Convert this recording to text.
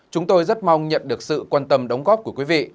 chúng tôi rất mong nhận được sự quan tâm đóng góp của quý vị